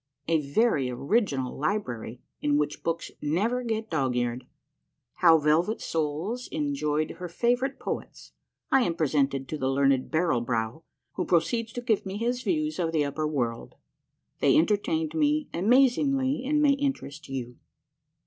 — A VERY ORIGINAL LI BRARY IN WHICH BOOKS NEVER GET DOG EARED. — HOW VELVET SOLES ENJOYED HER FAVORITE POETS. — I AM PRESENTED TO THE LEARNED BARREL BROW, WHO PRO CEEDS TO GIVE ME HIS VIEWS OF THE UPPER WORLD. — THEY ENTERTAINED ME AJVIAZINGLY AND MAY INTEREST YOU.